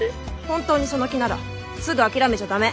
本当にその気ならすぐ諦めちゃ駄目。